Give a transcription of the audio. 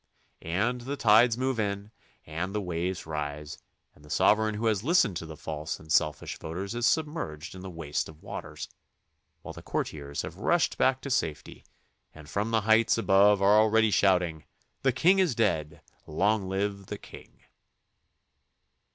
And the tides move on and the waves rise and the sovereign who has listened to the false and selfish voices is submerged in the waste of waters, while the courtiers have rushed back to safety and from the heights above are already shouting, "The king is dead ! Long live the king